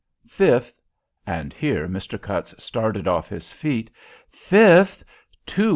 Fifth,'" and here Mr. Cutts started off his feet, "'Fifth, 219 7.'